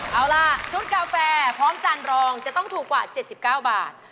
เอาล่ะชุดกาแฟพร้อมจานรองจะต้องถูกกว่า๗๙บาท